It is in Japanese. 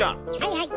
はいはい。